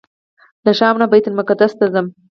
له شام نه بیت المقدس ته ځم.